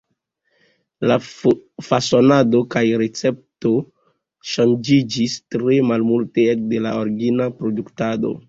La fasonado kaj recepto ŝanĝiĝis tre malmulte ekde la origina produktado.